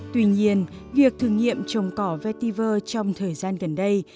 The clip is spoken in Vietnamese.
tuy nhiên việc thử nghiệm trồng cỏ veiver trong thời gian gần đây